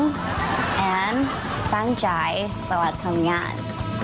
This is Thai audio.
และตั้งใจเวลาทำงาน